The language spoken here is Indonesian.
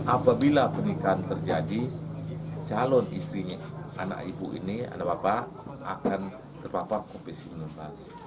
apabila pernikahan terjadi calon istrinya anak ibu ini anak bapak akan terpapar covid sembilan belas